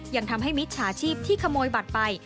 ยังทำให้มิจฉาชีพที่ขโมยบัตรไป